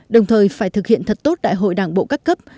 đồng thời phải thực hiện thật tốt đại hội đảng bộ các cấp